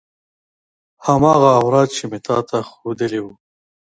هماغه اوراد چې مې تا ته خودلي وو.